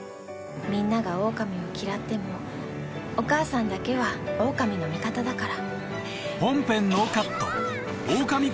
みんながおおかみを嫌ってもお母さんだけはおおかみの味方だから。